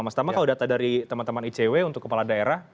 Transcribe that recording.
mas tama kalau data dari teman teman icw untuk kepala daerah